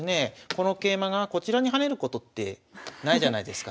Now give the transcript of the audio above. この桂馬がこちらに跳ねることってないじゃないですか。